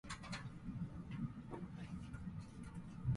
いつかひび割れた液晶が光り出し、どこか遠くからのメッセージを映し出しそうだった